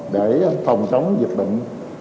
để phòng chống dịch bệnh